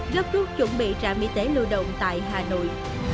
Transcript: góp thuốc chuẩn bị trạm y tế lưu động tại hà nội